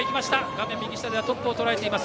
画面右下ではトップをとらえています。